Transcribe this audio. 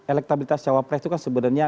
elektabilitas cawapres itu kan sebenarnya